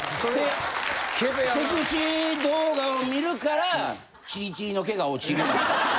セクシー動画を見るからチリチリの毛が落ちる。